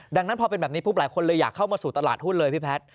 ดังนั้นพอเป็นแบบนี้ปุ๊บหลายคนเลยอยากเข้ามาสู่ตลาดหุ้นเลยพี่แพทย์